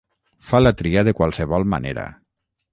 Fa la tria de qualsevol manera.